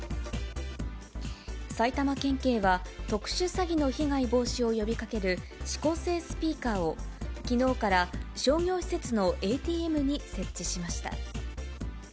埼玉県警は、特殊詐欺の被害防止を呼びかける指向性スピーカーを、きのうから商業施設のＡＴＭに設置しました。